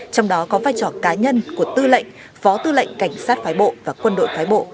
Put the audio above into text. trong đó có vai trò cá nhân của tư lệnh phó tư lệnh cảnh sát phái bộ và quân đội phái bộ